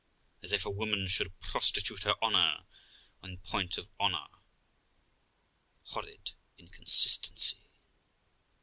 as if a woman should prostitute her honour in point of honour horrid inconsistency!